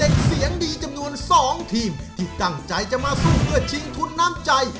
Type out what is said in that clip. อาจจะได้ใช้เอาว่าซีซ่าโซคิว